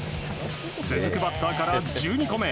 続くバッターから１２個目。